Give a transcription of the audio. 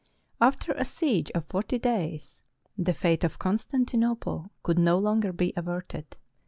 After a siege of forty days, the fate of Constantinople could no longer be averted.